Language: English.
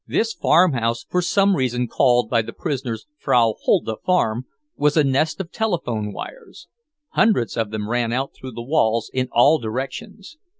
This farmhouse, for some reason called by the prisoners Frau Hulda farm, was a nest of telephone wires; hundreds of them ran out through the walls, in all directions.